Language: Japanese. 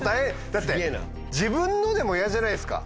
だって自分のでも嫌じゃないですか。